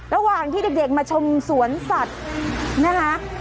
ระหว่างที่เด็กมาชมสวนสัตว์นะคะ